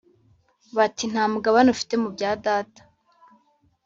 bati Nta mugabane ufite mu bya data.